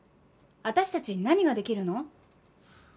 私たちに何ができるの？